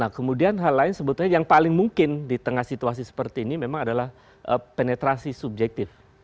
nah kemudian hal lain sebetulnya yang paling mungkin di tengah situasi seperti ini memang adalah penetrasi subjektif